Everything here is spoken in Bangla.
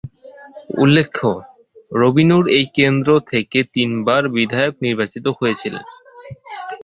উল্লেখ্য, রুবি নুর এই কেন্দ্র থেকে তিন বার বিধায়ক নির্বাচিত হয়েছিলেন।